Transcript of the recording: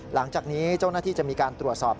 หลังจากนี้เจ้าหน้าที่จะมีการตรวจสอบ